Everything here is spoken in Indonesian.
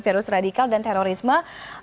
virus radikal dan terorisme